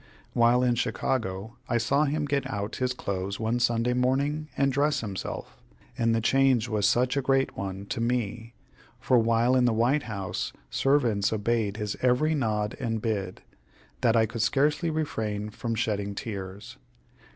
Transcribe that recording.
While in Chicago, I saw him get out his clothes one Sunday morning and dress himself, and the change was such a great one to me for while in the White House, servants obeyed his every nod and bid that I could scarcely refrain from shedding tears.